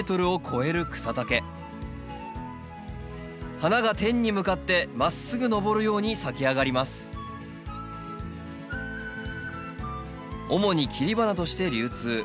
花が天に向かってまっすぐ上るように咲き上がります主に切り花として流通。